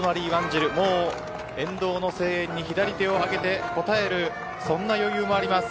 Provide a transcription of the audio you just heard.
沿道の声援に左手を上げて応えるそんな余裕があります。